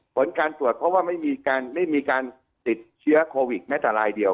ผลการตรวจเพราะว่าไม่มีการติดเชื้อโควิดแม้แต่รายเดียว